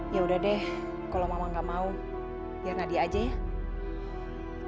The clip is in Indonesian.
yaudah deh kalo mama gak mau biar nadia aja ya